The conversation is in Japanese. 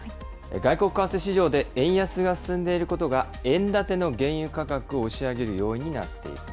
外国為替市場で円安が進んでいることが、円建ての原油価格を押し上げる要因になっていると。